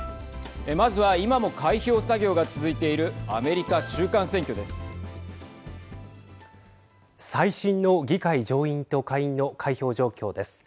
まずは、今も開票作業が続いている最新の議会上院と下院の開票状況です。